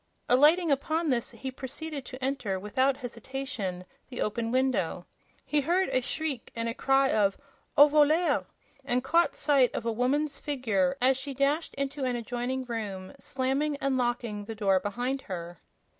Alighting upon this he proceeded to enter, without hesitation, the open window. He heard a shriek and a cry of "AU VOLEUR!" and caught sight of a woman's figure as she dashed into an adjoining room, slamming and locking the door behind her.